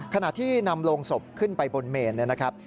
ขณะที่นำโลงศพขึ้นไปบนเมนนะครับ